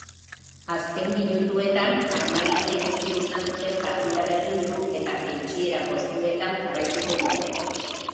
Azken minutuetan armaginek ezin izan zuten partida berdindu eta jeitsiera postuetan jarraituko dute.